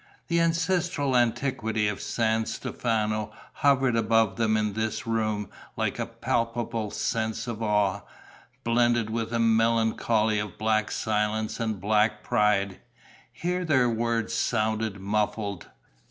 The ancestral antiquity of San Stefano hovered above them in this room like a palpable sense of awe, blended with a melancholy of black silence and black pride. Here their words sounded muffled.